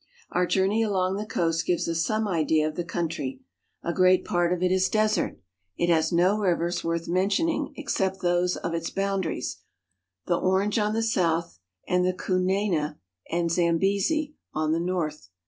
Our journey along the coast gives us some idea of the country. A great part of it is desert. It has no rivers worth mentioning except those of its boundaries, the Orange on the south and the Kunene (koo na'ne) and Zambezi on the north.